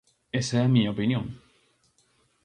Esa é a miña opinión.